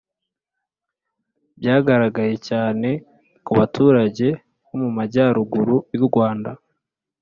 byagaragaye cyane ku baturage bo mu majyaruguru y'u Rwanda